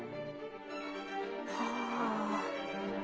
はあ。